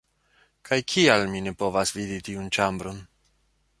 Kaj kial mi ne povas vidi tiun ĉambron?!